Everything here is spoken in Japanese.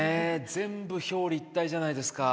全部表裏一体じゃないですか。